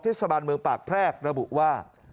เทศบาลเมืองปากแพรกระบุว่า